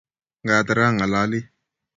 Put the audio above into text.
Ngater ang'alali